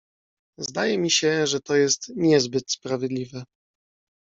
"Zdaje mi się, że to jest niezbyt sprawiedliwie."